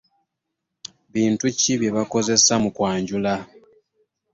Bintu ki bye baakozesa mu kwanjula?